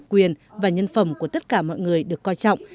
quyền và nhân phẩm của tất cả mọi người được coi trọng